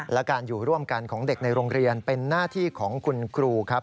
และการอยู่ร่วมกันของเด็กในโรงเรียนเป็นหน้าที่ของคุณครูครับ